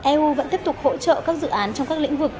eu vẫn tiếp tục hỗ trợ các dự án trong các lĩnh vực